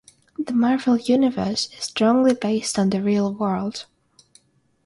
The Marvel Universe is strongly based on the real world.